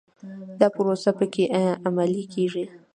دا پروسه په کې عملي کېږي.